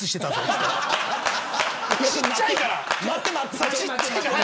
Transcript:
ちっちゃいから。